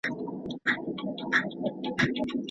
ایا ملي بڼوال تور ممیز پلوري؟